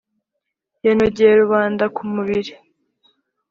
yanogeye rubanda ku mubiri